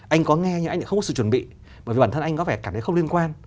anh có nghe nhưng anh lại không có sự chuẩn bị bởi vì bản thân anh có vẻ cảm thấy không liên quan